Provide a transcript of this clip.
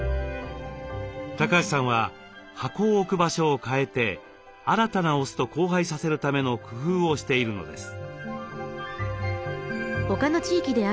橋さんは箱を置く場所を変えて新たなオスと交配させるための工夫をしているのです。